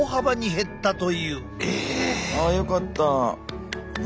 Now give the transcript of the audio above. あよかった。